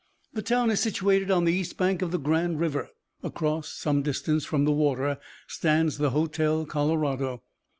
The town is situated on the east bank of the Grand River; across, some distance from the water, stands the Hotel Colorado.